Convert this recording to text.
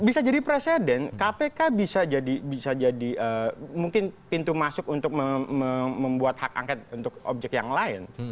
bisa jadi presiden kpk bisa jadi mungkin pintu masuk untuk membuat hak angket untuk objek yang lain